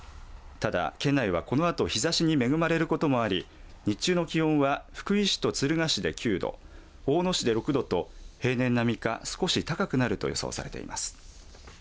ただ、県内はこのあと日ざしに恵まれることもあり日中の気温は福井市と敦賀市で９度大野市で６度と平年並みか少し高くなると予想されています。